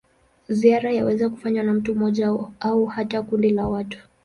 Ziara yaweza kufanywa na mtu mmoja au hata kundi la watu.